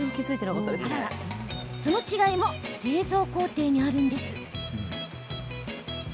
その違いも、製造工程にあります。